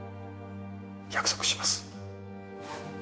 約束します